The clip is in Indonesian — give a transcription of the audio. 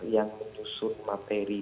yang menyusun materi